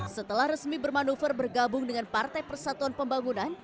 setelah resmi bermanuver bergabung dengan partai persatuan pembangunan